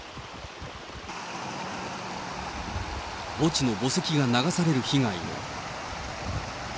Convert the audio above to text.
墓地の墓石が流される被害も。